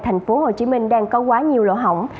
thành phố hồ chí minh đang có quá nhiều lỗ hỏng